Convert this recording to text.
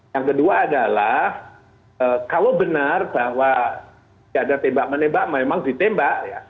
yang kedua adalah kalau benar bahwa tidak ada tembak menembak memang ditembak